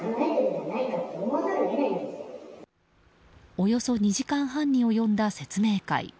およそ２時間半に及んだ説明会。